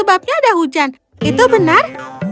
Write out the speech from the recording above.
apakah itu benar